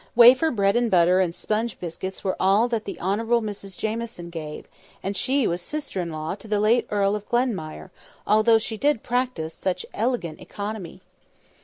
Wafer bread and butter and sponge biscuits were all that the Honourable Mrs Jamieson gave; and she was sister in law to the late Earl of Glenmire, although she did practise such "elegant economy."